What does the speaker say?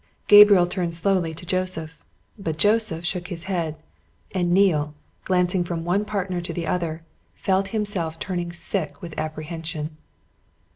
Gabriel turned slowly to Joseph. But Joseph shook his head and Neale, glancing from one partner to the other, felt himself turning sick with apprehension.